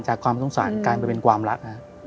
ความสงสารกลายไปเป็นความรัก